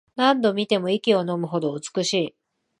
何度見ても息をのむほど美しい